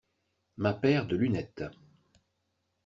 Ma paire de lunettes.